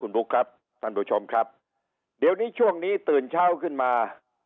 คุณบุ๊คครับท่านผู้ชมครับเดี๋ยวนี้ช่วงนี้ตื่นเช้าขึ้นมา